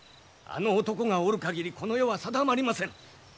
あの男がおる限りこの世は定まりません。